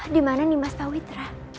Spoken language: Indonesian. di mana nih mas pak witra